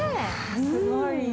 すごい。